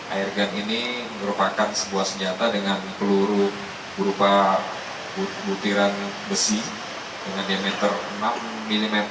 airgun ini merupakan sebuah senjata dengan peluru berupa butiran besi dengan diameter enam mm